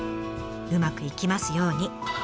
うまくいきますように。